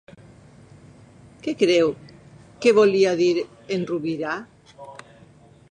Que creu que volia dir en Rubira?